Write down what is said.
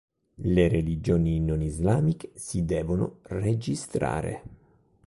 Le religioni non islamiche si devono registrare.